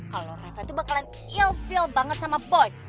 kalau reva tuh bakalan ilfeel banget sama boy